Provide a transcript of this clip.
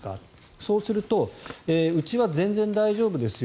そうするとうちは全然大丈夫ですよ